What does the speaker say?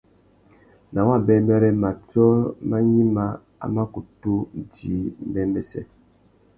Nà wabêbêrê, matiō mà gnïmá, a mà kutu djï mbêmbêssê.